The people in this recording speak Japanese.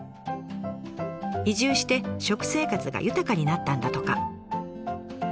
移住して食生活が豊かになったんだとか。